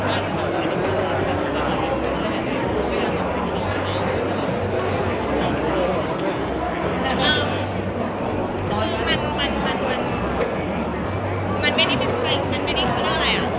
ถ้างึกเป็นหรือว่าหลักฐีนี่รูปไว้มาก็มันจะทำให้เราจะต้องระบากใจมากกว่า